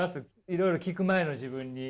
いろいろ聞く前の自分に。